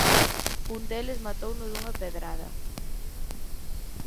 Un deles matouno dunha pedrada…